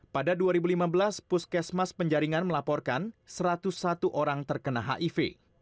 pada dua ribu lima belas puskesmas penjaringan melaporkan satu ratus satu orang terkena hiv